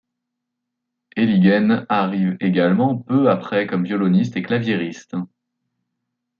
Elyghen arrive également peu après comme violoniste et claviériste.